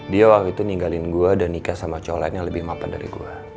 dia waktu itu ninggalin gue dan nikah sama cowok lain yang lebih mapan dari gue